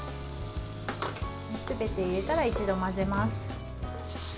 すべて入れたら一度混ぜます。